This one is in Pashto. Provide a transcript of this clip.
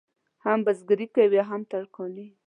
هم بزګري کوي او هم ترکاڼي.